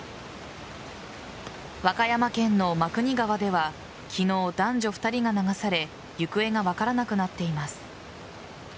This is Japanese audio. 和歌山県の真国川では昨日、男女２人が流され行方が分からなくなっています。